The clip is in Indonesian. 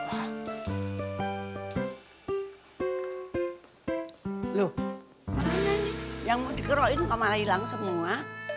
gimana nih yang mau dikerokin kamar hilang semua